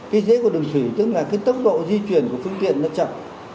cái dễ của đường thủy tức là cái tốc độ di chuyển của phương tiện nó chậm